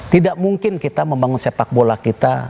tidak mungkin kita membangun sepak bola kita